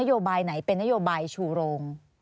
สวัสดีครับทุกคน